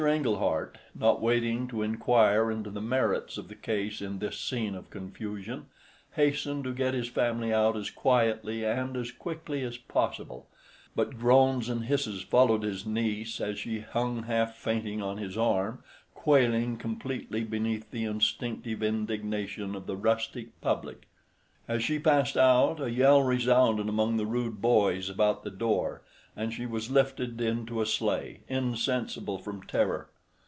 Englehart, not waiting to inquire into the merits of the case in this scene of confusion, hastened to get his family out as quietly and as quickly as possible, but groans and hisses followed his niece as she hung half fainting on his arm, quailing completely beneath the instinctive indignation of the rustic public. As she passed out, a yell resounded among the rude boys about the door, and she was lifted into a sleigh, insensible from terror.